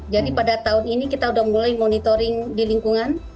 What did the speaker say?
jadi pada tahun ini kita sudah mulai monitoring di lingkungan